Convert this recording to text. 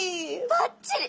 ばっちり！